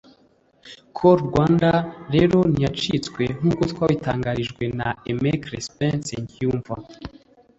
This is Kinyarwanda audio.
Call Rwanda rero ntiyacitswe nk’uko twabitangarijwe na Aime Crispin Nsengiyumva